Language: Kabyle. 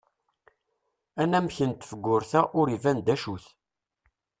Anamek n tefgurt-a ur iban d acu-t.